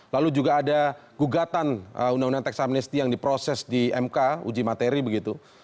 lalu juga ada gugatan undang undang teks amnesty yang diproses di mk uji materi begitu